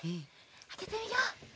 あけてみよう。